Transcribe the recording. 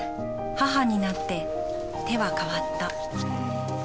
母になって手は変わった。